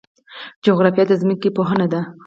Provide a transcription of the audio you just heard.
جغرافیه د ځمکې پوهنه ده